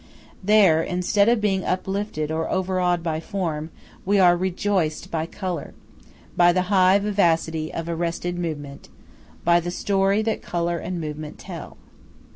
There, instead of being uplifted or overawed by form, we are rejoiced by color, by the high vivacity of arrested movement, by the story that color and movement tell.